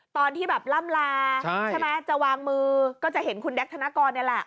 ตอนที่แบบล่ำลาใช่ไหมจะวางมือก็จะเห็นคุณแก๊กธนกรนี่แหละ